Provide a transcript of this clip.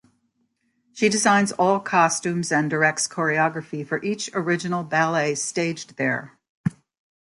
She designs all costumes and directs choreography for each original ballet staged there.